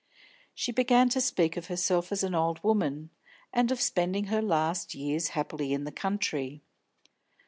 She began to speak of herself as an old woman, and of spending her last years happily in the country.